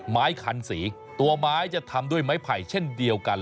ไม้คันสีตัวไม้จะทำด้วยไม้ไผ่เช่นเดียวกัน